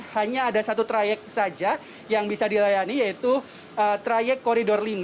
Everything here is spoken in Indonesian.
hanya ada satu trayek saja yang bisa dilayani yaitu trayek koridor lima